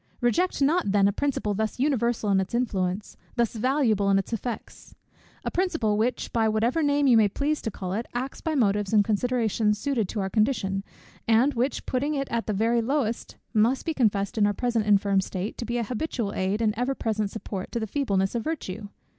Reject not then a principle thus universal in its influence, thus valuable in its effects; a principle, which, by whatever name you may please to call it, acts by motives and considerations suited to our condition; and which, putting it at the very lowest, must be confessed, in our present infirm state, to be an habitual aid and an ever present support to the feebleness of virtue!